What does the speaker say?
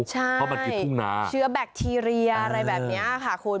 ใช่เชื้อแบคทีเรียอะไรแบบนี้ค่ะคุณ